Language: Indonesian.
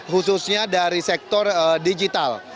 khususnya dari sektor digital